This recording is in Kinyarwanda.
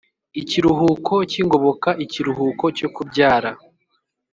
ikiruhuko cy’ingoboka, ikiruhuko cyo kubyara